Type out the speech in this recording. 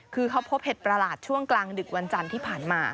คือเขาพบเห็ดประหลาดช่วงกลางดึกวันจันทร์ที่ผ่านมา